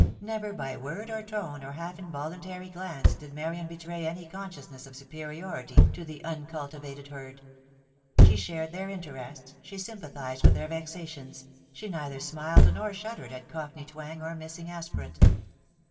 Never by word or tone or half involuntary glance did Marian betray any consciousness of superiority to the uncultivated herd. She shared their interests, she sym pathized with their vexations, she neither smiled nor shuddered at Cockney twang or missing aspirate.